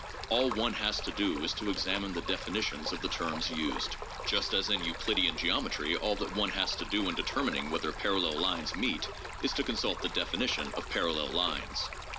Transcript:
All one has to do is to examine the definitions of the terms used, just as in Euclidean geometry all that one has to do in determining whether parallel lines meet is to consult the definition of parallel lines.